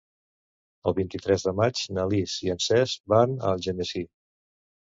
El vint-i-tres de maig na Lis i en Cesc van a Algemesí.